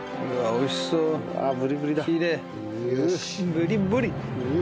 ブリッブリ！